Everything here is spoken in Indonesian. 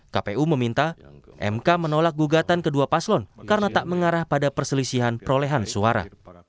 kpu meminta mk menolak gugatan kedua paslon karena tak mengarah pada perselisihan perolehan suara